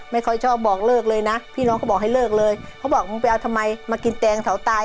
ไม่ค่อยชอบบอกเลิกเลยนะพี่น้องเขาบอกให้เลิกเลยเขาบอกมึงไปเอาทำไมมากินแตงเสาตาย